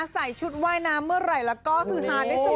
ใส่ชุดว่ายน้ำเมื่อไหร่แล้วก็คือฮาได้เสมอ